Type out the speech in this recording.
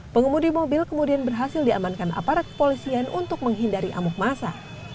pengemudi mobil kemudian berhasil diamankan aparat kepolisian untuk menghindari amuk masa